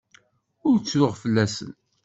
Ur ttruɣ fell-asen.